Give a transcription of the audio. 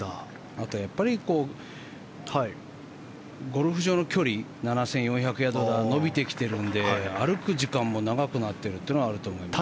あとは、ゴルフ場の距離が７４００ヤードから伸びてきてるので長くなっているというのはあると思います。